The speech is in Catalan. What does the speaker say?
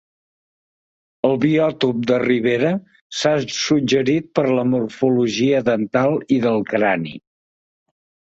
El biòtop de ribera s'ha suggerit per la morfologia dental i del crani.